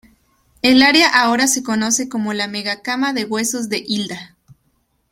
El área ahora se conoce como La Mega cama de Huesos de Hilda.